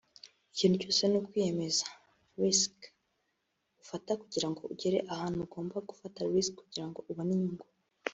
Ikintu cyose ni ukwiyemeza [Risk] ufata kugirango ugera ahantu ugomba gufata risk kugirango ubone inyungu